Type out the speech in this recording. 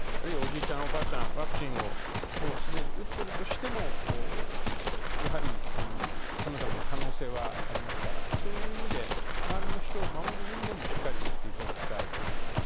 おじいちゃん、おばあちゃん、ワクチンすでに打ってるとしてもさまざまな可能性はありますから、周りの人を守る意味でもしっかり打っていただきたいと思っています。